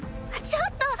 ちょっと！